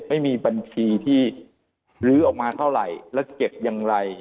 ไม่มีบัญชีที่ลื้อออกมาเท่าไหร่แล้วเก็บอย่างไร